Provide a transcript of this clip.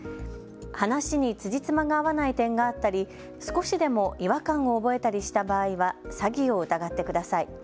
話につじつまが合わない点があったり、少しでも違和感を覚えたりした場合は詐欺を疑ってください。